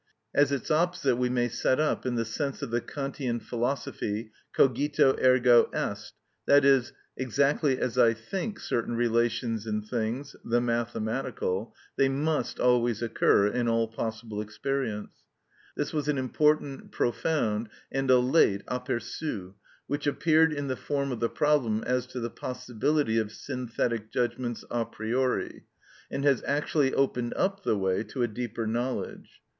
As its opposite we may set up, in the sense of the Kantian philosophy, cogito, ergo est, that is, exactly as I think certain relations in things (the mathematical), they must always occur in all possible experience;—this was an important, profound, and a late apperçu, which appeared in the form of the problem as to the possibility of synthetic judgments a priori, and has actually opened up the way to a deeper knowledge.